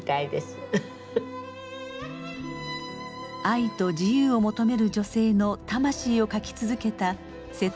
愛と自由を求める女性の魂を書き続けた瀬戸内寂聴さん。